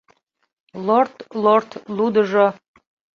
Лорт-лорт лудыжо